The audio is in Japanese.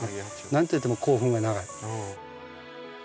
なんといっても口吻が長い。